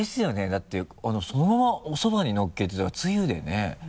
だってそのままおそばにのっけてたらつゆでねぇ？